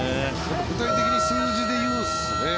具体的な数字で言うんですね。